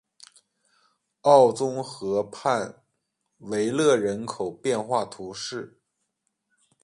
奥宗河畔维勒人口变化图示